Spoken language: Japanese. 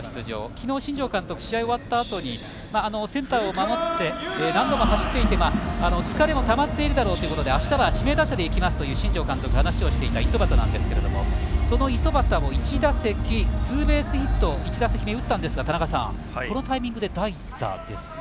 昨日、新庄監督試合終わったあとにセンターを守って何度も走っていて疲れもたまっているだろうとあしたは、指名打者でいきますという話をしていた五十幡なんですがその五十幡を１打席目、ツーベースヒット打ったんですがこのタイミングで代打ですか。